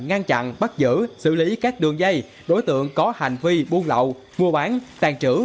ngăn chặn bắt giữ xử lý các đường dây đối tượng có hành vi buôn lậu mua bán tàn trữ